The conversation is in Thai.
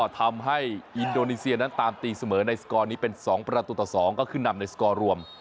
ทำให้อินโดนีเซียนั้นตามตีเสมอในสกอร์นี้เป็น๒ประตูต่อ๒ก็คือนำในสกอร์รวม